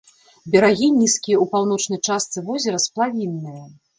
Берагі нізкія, у паўночнай частцы возера сплавінныя.